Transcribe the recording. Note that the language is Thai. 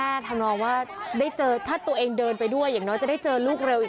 อยากจะเห็นว่าลูกเป็นยังไงอยากจะเห็นว่าลูกเป็นยังไง